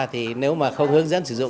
thì nếu mà không hướng dẫn sử dụng